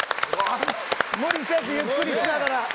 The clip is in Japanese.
無理せずゆっくりしながら。